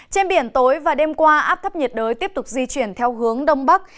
trên biển tối và đêm qua áp thấp nhiệt đới tiếp tục di chuyển theo hướng đông bắc